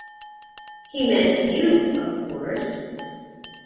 He meant you, of course.